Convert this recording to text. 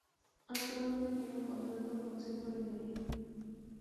Actualmente tienen un contrato con Century Media.